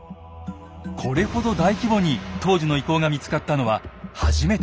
これほど大規模に当時の遺構が見つかったのは初めてです。